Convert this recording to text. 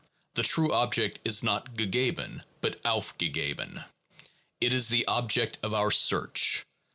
The true object is not gegeben but aufgegeben; it is the object of our search.